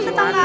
iya bener bu